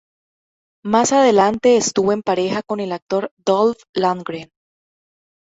Más adelante estuvo en pareja con el actor Dolph Lundgren.